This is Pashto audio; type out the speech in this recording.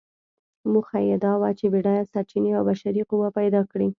موخه یې دا وه چې بډایه سرچینې او بشري قوه پیدا کړي.